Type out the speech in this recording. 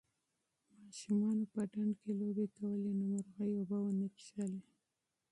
ماشومانو په ډنډ کې لوبې کولې نو مرغۍ اوبه ونه څښلې.